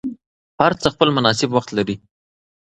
هر څه خپل مناسب وخت لري